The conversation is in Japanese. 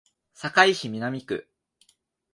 堺市南区